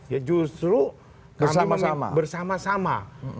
ya justru bersama sama